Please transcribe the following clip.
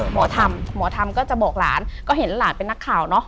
หมอธรรมหมอธรรมก็จะบอกหลานก็เห็นหลานเป็นนักข่าวเนอะ